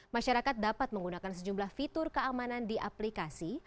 masyarakat dapat menggunakan sejumlah fitur keamanan di aplikasi